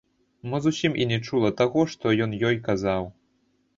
Мо зусім і не чула таго, што ён ёй казаў?